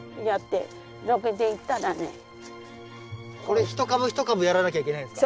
これ一株一株やらなきゃいけないんですか？